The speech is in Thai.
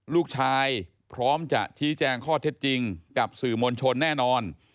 พร้อมจะชี้แจงข้อเท็จจริงกับสื่อมวลชนแน่นอน